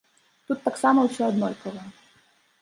Тут таксама ўсё аднолькава.